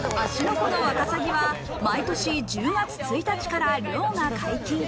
湖のワカサギは毎年１０月１日から漁が解禁。